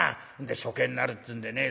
で処刑になるっつうんでね